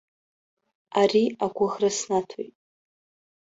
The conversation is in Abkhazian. Ари агәыӷра снаҭоит.